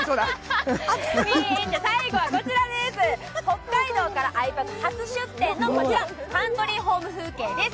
最後はこちら北海道から、あいぱく初出店のこちら、カントリーホーム風景です。